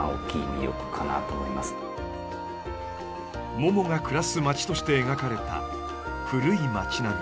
ももが暮らす町として描かれた古い町並み。